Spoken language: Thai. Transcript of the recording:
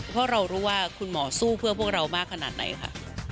เพราะเรารู้ว่าคุณหมอสู้เพื่อพวกเรามากขนาดไหนค่ะ